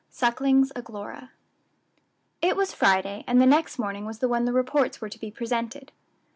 SUCKLING's Aglaura. It was Friday, and the next morning was the when the reports were to be presented.